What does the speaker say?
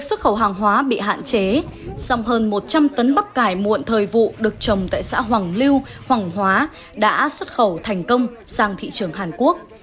sau hơn một trăm linh tấn bắp cải muộn thời vụ được trồng tại xã hoàng lưu hoàng hóa đã xuất khẩu thành công sang thị trường hàn quốc